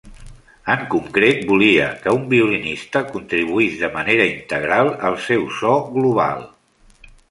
En concret, volia que un violinista contribuís de manera integral al seu so global.